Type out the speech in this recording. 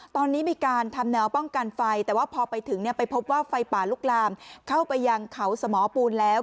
ตอนนี้มีการทำแนวป้องกันไฟแต่ว่าพอไปถึงไปพบว่าไฟป่าลุกลามเข้าไปยังเขาสมอปูนแล้ว